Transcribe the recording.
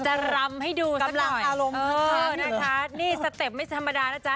จะรำให้ดูสักหน่อยอ๋อนะคะนี่สเต็ปไม่ธรรมดานะจ๊ะ